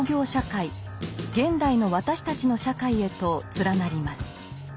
現代の私たちの社会へと連なります。